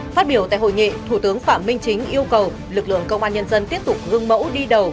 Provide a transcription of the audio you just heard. phát biểu tại hội nghị thủ tướng phạm minh chính yêu cầu lực lượng công an nhân dân tiếp tục gương mẫu đi đầu